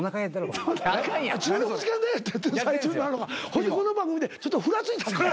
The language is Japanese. ほいでこの番組でちょっとふらついたんか？